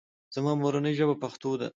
زما مورنۍ ژبه پښتو ده